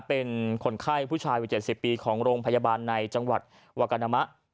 เป็นคนไข้ผู้ชายวัย๗๐ปีของโรงพยาบาลในจังหวัดวากานามะ